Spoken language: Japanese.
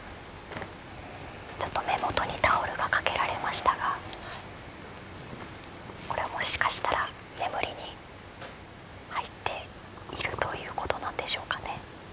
目元にタオルがかけられましたがこれ、もしかしたら眠りに入っているということなんでしょうかね。